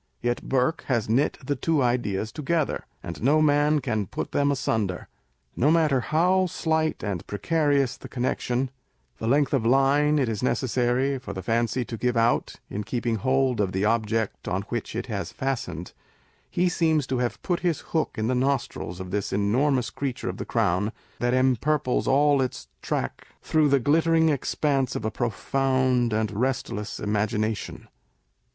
Yet Burke has knit the two ideas together, and no man can put them asunder. No matter how slight and pre carious the connection, the length of line it is necessary for the fancy to give out in keeping hold of the object on which it has fastened, he seems to have " put his hook in the nostrils " of this enormous creature of the crown, that empurples all its track through the glittering expanse of a profound and restless imagination